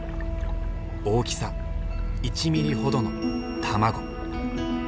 大きさ１ミリほどの卵。